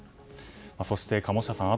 そして、鴨下さん